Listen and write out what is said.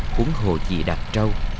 khuống hồ dị đạt trâu